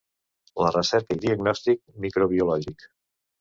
La recerca i diagnòstic microbiològic.